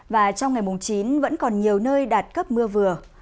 và trong ngày chín vẫn còn nhiều nơi đạt cấp mưa vừa